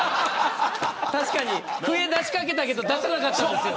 確かに笛出しかけたけど出さなかったんですよ。